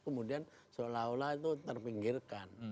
kemudian seolah olah itu terpinggirkan